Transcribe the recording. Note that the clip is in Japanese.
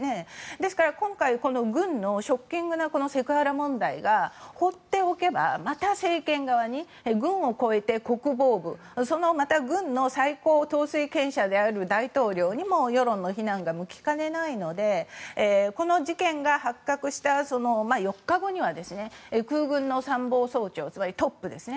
ですから今回、軍のショッキングなセクハラ問題を放っておけばまた政権側に、軍を超えて国防部また軍の最高統制権者である大統領にも世論の非難が向きかねないのでこの事件については空軍の参謀総長ですね。